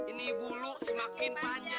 ini bulu semakin panjang